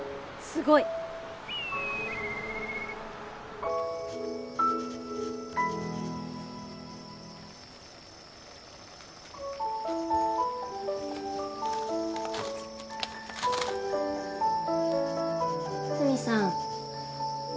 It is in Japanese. すごい！フミさん。